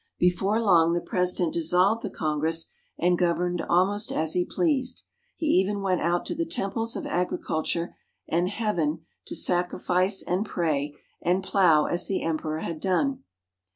Before long the President dissolved the Con gress and governed almost as he pleased. He even went out to the Temples of Agriculture and Heaven to sacri fice and pray and plow as the Emperor had done.